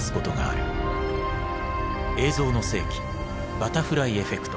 「映像の世紀バタフライエフェクト」。